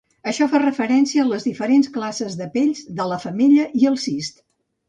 Això fa referència a les diferents classes de 'pells' de la femella i el cist.